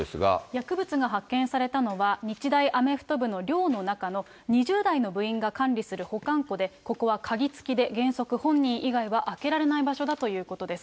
薬物が発見されたのは、日大アメフト部の寮の中の２０代の部員が管理する保管庫で、ここは鍵付きで、原則、本人以外は開けられない場所だということです。